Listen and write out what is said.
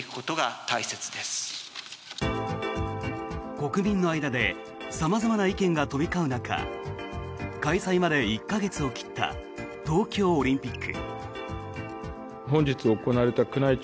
国民の間で様々な意見が飛び交う中開催まで１か月を切った東京オリンピック。